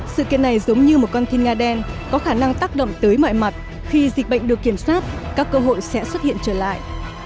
sự kiện này giống như một con thiên nga đen có khả năng tác động tới mọi mặt khi dịch bệnh được kiểm soát các cơ hội sẽ xuất hiện trở lại